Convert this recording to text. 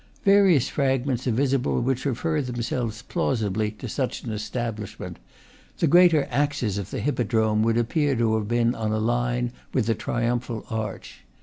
Various fragments are visible which refer themselves plausibly to such an establishment; the greater axis of the hippodrome would appear to have been on a line with the triumphal arch.